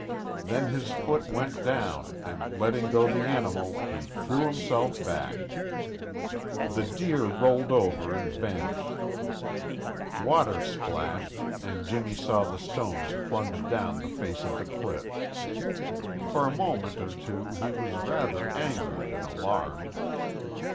Then his foot went down, and letting go the animal, he threw himself back. The deer rolled over and vanished. Water splashed, and Jimmy saw the stones plunge down the face of the cliff. For a moment or two he was rather angry than alarmed.